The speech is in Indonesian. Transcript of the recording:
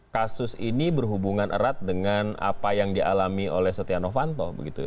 kasus ini berhubungan erat dengan apa yang dialami oleh setia novanto